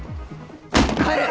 帰れ！